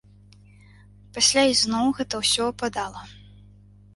Пасля ізноў гэта ўсё ападала.